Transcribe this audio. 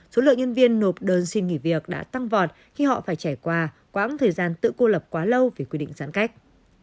số lượng nhân viên nộp đơn xin nghỉ việc đã tăng vọt khi họ phải trải qua quãng thời gian tự cô lập quá lâu vì quy định giãn cách